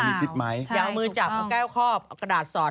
เอามือจับแก้วคอบเอากระดาษสอด